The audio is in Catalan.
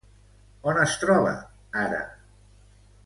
On es troba, ara?